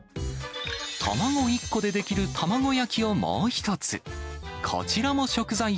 卵１個で出来る卵焼きをもう１つ。